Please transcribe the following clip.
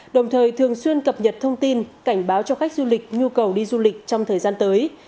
đồng thời thường xuyên cập nhật thông tin cảnh báo cho khách du lịch nhu cầu đi du lịch trong thời gian tới